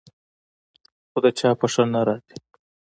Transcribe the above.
خو د چا په ښه نه راځي.